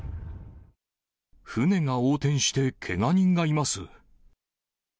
船が横転して、けが人がいます。